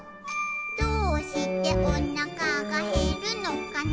「どうしておなかがへるのかな」